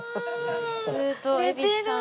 ずっと蛭子さん。